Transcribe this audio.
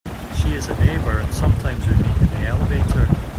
She is a neighbour, and sometimes we meet in the elevator.